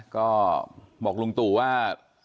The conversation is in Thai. ก็บอกลุงตู่ว่า